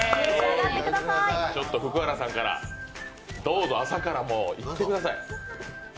福原さんから、どうぞ、朝からいってください。